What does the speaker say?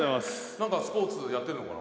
「なんかスポーツやってるのかな？」